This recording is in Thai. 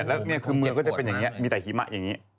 แล้วนี่คือเมืองก็จะเป็นอย่างนี้มีแต่หิมะอย่างนี้